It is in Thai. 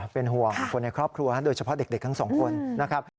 เป็นห่วงคนในครอบครัวโดยเฉพาะเด็กทั้งสองคนนะครับ